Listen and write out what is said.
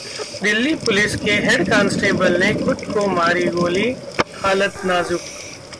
Delhi police के head constable ने खुद को मारी गोली, हालत नाजुक